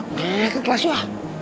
gak ada kelas juga